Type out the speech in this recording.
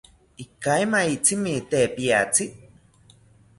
Ikaimaitzimi te piatzi